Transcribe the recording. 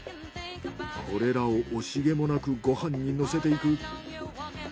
これらを惜しげもなくご飯にのせていく。